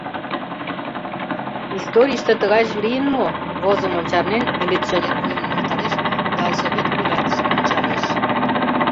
— Историйыште тыгайже лийын мо? — возымым чарнен, милиционер вуйым нӧлталеш, ялсовет вуйлатышым ончалеш.